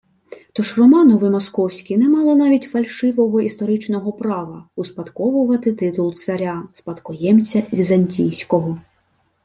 Тож Романови московські не мали навіть фальшивого історичного права успадковувати титул царя – спадкоємця візантійського